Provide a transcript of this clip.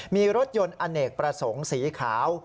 มีรถยนต์อเนกประสงค์สีขาว